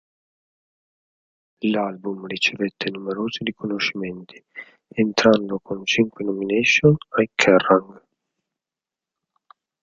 L'album ricevette numerosi riconoscimenti, entrando con cinque nomination ai Kerrang!